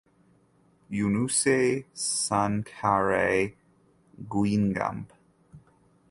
Younousse Sankharé (Guingamp